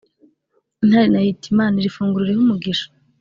intare nayo iti"mana iri funguro urihe umugisha".